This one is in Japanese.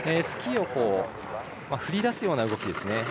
スキーを振り出すような動きですね。